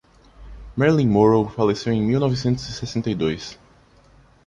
Marilyn Monroe faleceu em mil novecentos e sessenta e dois.